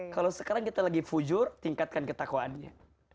kalau sekarang kita lagi fujur tingkatkan ketakwaannya